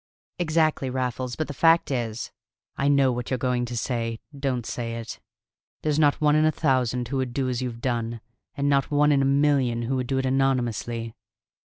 "Exactly, Raffles, but the fact is " "I know what you're going to say. Don't say it. There's not one in a thousand who would do as you've done, and not one in a million who would do it anonymously."